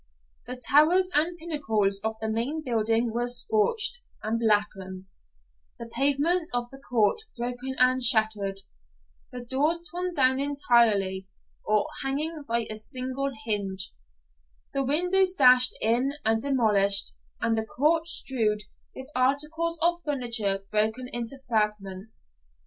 The towers and pinnacles of the main building were scorched and blackened; the pavement of the court broken and shattered, the doors torn down entirely, or hanging by a single hinge, the windows dashed in and demolished, and the court strewed with articles of furniture broken into fragments.